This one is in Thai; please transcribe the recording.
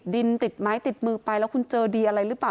ดินติดไม้ติดมือไปแล้วคุณเจอดีอะไรหรือเปล่า